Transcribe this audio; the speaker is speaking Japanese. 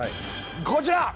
こちら！